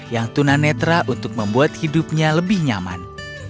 yang tunanetra untuk membuat hidupnya lebih nyaman